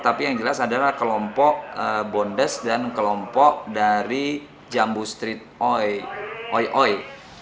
tapi yang jelas adalah kelompok bondes dan kelompok dari jambu street oi oi